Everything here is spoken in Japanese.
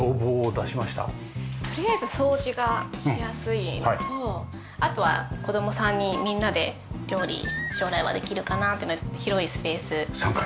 とりあえず掃除がしやすいのとあとは子供３人みんなで料理将来はできるかなっていうので広いスペースが。